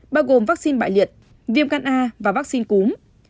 bao gồm vaccine bại liệt viêm gan a và vaccine cúm